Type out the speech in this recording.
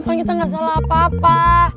kan kita ga salah apa apa